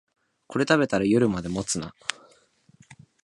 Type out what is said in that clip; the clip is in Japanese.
これ食べたら夜まで持つな